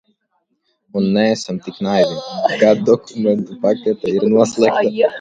Un neesam tik naivi, ka dokumentu pakete ir noslēgta.